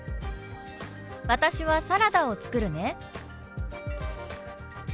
「私はサラダを作るね」。